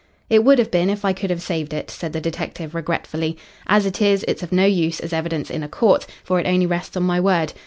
"It would have been if I could have saved it," said the detective regretfully. "As it is, it's of no use as evidence in a court, for it only rests on my word.